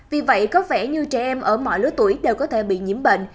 vì vậy có vẻ như trẻ em ở mọi lứa tuổi đều có thể bị nhiễm bệnh